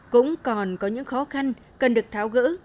cũng còn có những khó khăn cần được tháo gỡ